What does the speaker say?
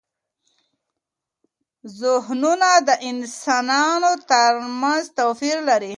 زهنونه د انسانانو ترمنځ توپیر لري.